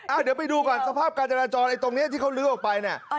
เดี๋ยวไปดูก่อนสภาพการจราจรไอ้ตรงนี้ที่เขาลื้อออกไปเนี่ย